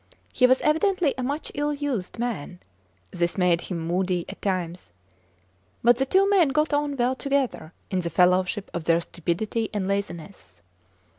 He was evidently a much ill used man. This made him moody, at times. But the two men got on well together in the fellowship of their stupidity and laziness.